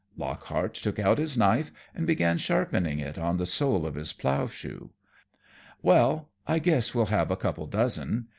Lockhart took out his knife and began sharpening it on the sole of his plowshoe. "Well, I guess we'll have a couple dozen.